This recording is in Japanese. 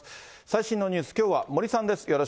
最新のニュース、きょうは森さん